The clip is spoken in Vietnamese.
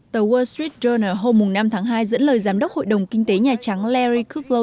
tờ wall street journal hôm năm tháng hai dẫn lời giám đốc hội đồng kinh tế nhà trắng larry cooke